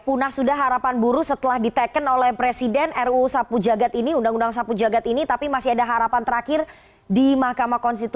punah sudah harapan buruh setelah diteken oleh presiden ruu sapu jagat ini undang undang sapu jagat ini tapi masih ada harapan terakhir di mahkamah konstitusi